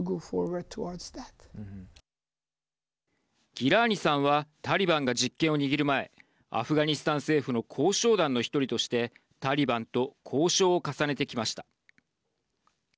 ギラーニさんはタリバンが実権を握る前アフガニスタン政府の交渉団の１人としてタリバンと交渉を重ねてきました。